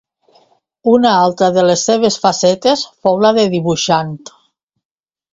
Una altra de les seves facetes fou la de dibuixant.